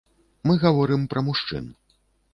Мы гаворым пра мужчын.